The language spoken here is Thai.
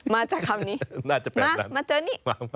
มาจากคำนี้มาเจอนี่